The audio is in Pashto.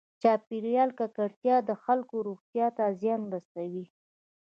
چاپېریال ککړتیا د خلکو روغتیا ته زیان رسوي.